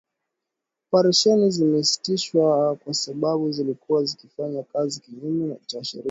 Operesheni zimesitishwa kwa sababu zilikuwa zikifanya kazi kinyume cha sheria